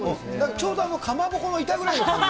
ちょうどかまぼこの板ぐらいの感じで。